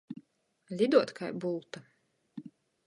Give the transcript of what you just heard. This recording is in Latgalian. Liduot kai bulta.